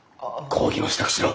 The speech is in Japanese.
講義の支度しろ。